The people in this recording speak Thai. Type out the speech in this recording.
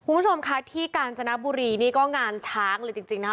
คุณผู้ชมคะที่กาญจนบุรีนี่ก็งานช้างเลยจริงนะคะ